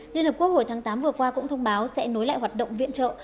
liên hợp quốc hồi tháng tám vừa qua cũng thông báo sẽ nối lại hoạt động viện trợ